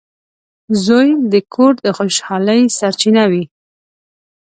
• زوی د کور د خوشحالۍ سرچینه وي.